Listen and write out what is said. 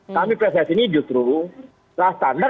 kami pssc ini justru nggak standar